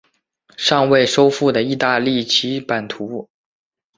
尚未收复的意大利其版图。